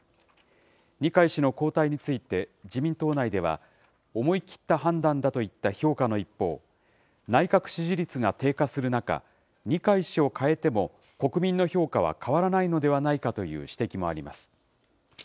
二階氏の交代について、自民党内では思い切った判断だといった評価の一方、内閣支持率が低下する中、二階氏を代えても、国民の評価は変わらないのではないかという指摘もあります。